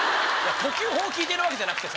呼吸法を聞いてるわけじゃなくて。